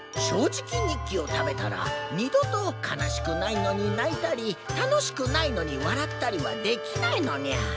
正直ニッキを食べたら二度と悲しくないのに泣いたり楽しくないのに笑ったりはできないのニャ。